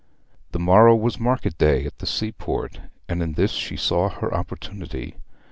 The morrow was market day at the seaport, and in this she saw her opportunity.